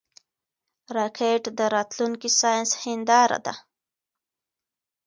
راکټ د راتلونکي ساینس هنداره ده